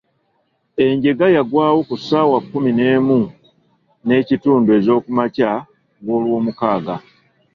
Enjega yagwawo ku ssaawa kkumi n'emu n'ekitundu ez'okumakya g'olwomukaaga.